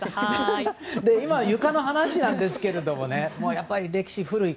今、床の話なんですけどやっぱり歴史が古い。